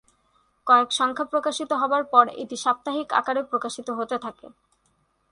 কয়েক সংখ্যা প্রকাশিত হবার পর এটি সাপ্তাহিক আকারে প্রকাশিত হতে থাকে।